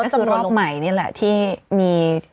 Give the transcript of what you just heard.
ถือว่ารอบใหม่นี่แหละที่มี